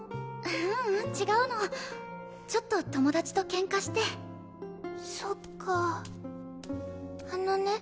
ううん違うのちょっと友達とケンカしてそっかあのね